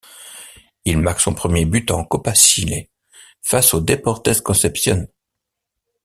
Il marque son premier but en Copa Chile face au Deportes Concepcion.